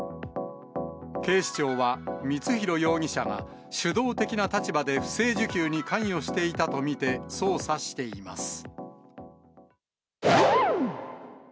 警視庁は、光弘容疑者が、主導的な立場で不正受給に関与していたと見て捜査しています。